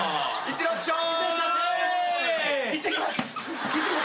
いってらっしゃい！